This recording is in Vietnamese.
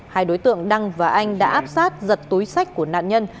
hai đối tượng đăng và anh đã áp sát giật túi sách của nạn nhân